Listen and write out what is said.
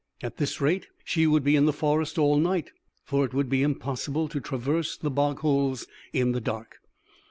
At this rate she would be in the forest all night, for it would be impossible to traverse the bog holes in the dark.